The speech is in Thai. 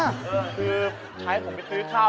คือใช้ผมไปซื้อข้าว